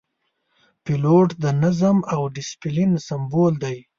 پیلوټ د نظم او دسپلین سمبول دی.